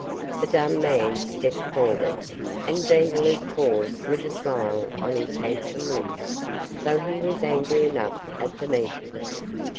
The dumb man stepped forward, and Vandeloup paused with a smile on his handsome lips, though he was angry enough at the meeting.